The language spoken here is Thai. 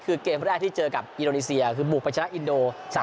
คือเกมแรกที่เจอกับอินโดนีเซียคือบุกไปชนะอินโด๓๐